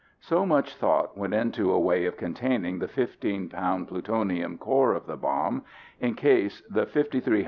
So, much thought went into a way of containing the 15 lb. plutonium core of the bomb, in case the 5,300 lbs.